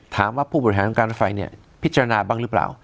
ผู้บริหารของการรถไฟเนี่ยพิจารณาบ้างหรือเปล่า